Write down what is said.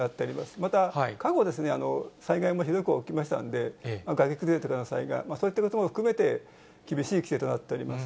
また過去、災害もひどく起きましたので、崖崩れとかの災害が、そういったことも含めて、厳しい規制となっております。